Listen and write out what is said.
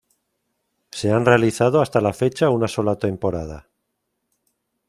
Se han realizado hasta la fecha una sola temporada.